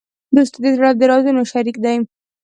دوستي د زړه د رازونو شریک دی.